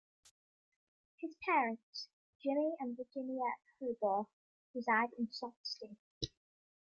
His parents, Jimmie and Virginia Hobaugh, reside in Sault Ste.